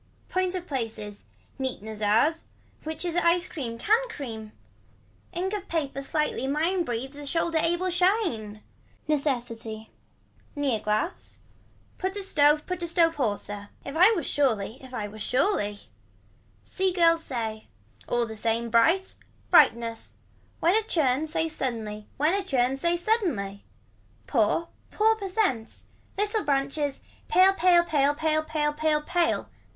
Points of places. Neat Nezars. Which is a cream, can cream. Ink of paper slightly mine breathes a shoulder able shine. Necessity. Near glass. Put a stove put a stove hoarser. If I was surely if I was surely. See girl says. All the same bright. Brightness. When a churn say suddenly when a churn say suddenly. Poor pour percent. Little branches. Pale. Pale. Pale. Pale. Pale. Pale. Pale.